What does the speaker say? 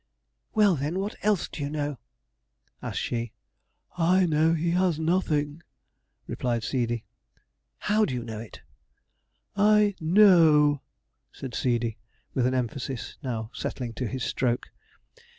'Well, then, what else do you know?' asked she. 'I know he has nothing,' replied Seedey. 'How do you know it?' 'I know,' said Seedey, with an emphasis, now settling to his stroke.